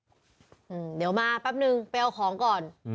เดี๋ยวมาแป๊บนึงไปเอาของก่อน